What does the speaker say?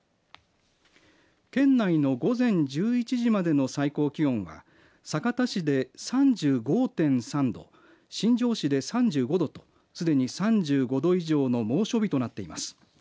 県内の午前１１時までの最高気温は酒田市で３５．３度新庄市で３５度とすでに３５度以上の猛暑日となっています。